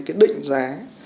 cái định giá